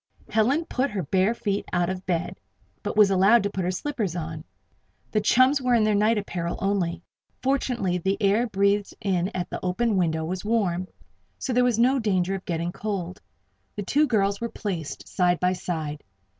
Helen put her bare feet out of bed, but was allowed to put her slippers on. The chums were in their night apparel only. Fortunately the air breathed in at the open window was warm. So there was no danger of their getting cold. The two new girls were placed side by side.